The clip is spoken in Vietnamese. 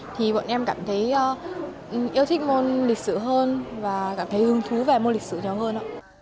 thì bọn em cảm thấy yêu thích môn lịch sử hơn và cảm thấy hứng thú về môn lịch sử nhiều hơn